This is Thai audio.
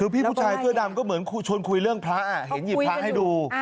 พี่ผู้ชายเสื้อดำก็เหมือนชวนคุยเรื่องพระเห็นหยิบพระให้ดู